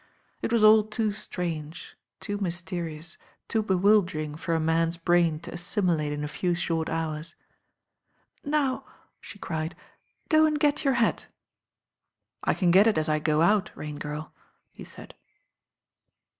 It was all too strange, too mysterious, too bewildering for a man's brain to assimilate in a few short hours. "Now," she cried, "go and get your hat." *'I can get it as I go out, Rain^irl," he said.